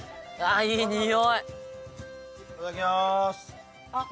いただきます。